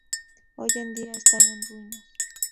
Hoy en día está en ruinas.